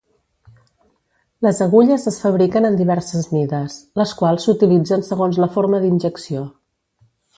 Les agulles es fabriquen en diverses mides, les quals s'utilitzen segons la forma d'injecció.